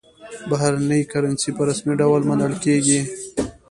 بهرنۍ کرنسي په رسمي ډول منل کېږي.